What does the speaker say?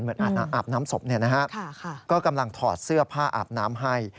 เหมือนอาบน้ำสบเนี่ยนะฮะก็กำลังถอดเสื้อผ้าอาบน้ำให้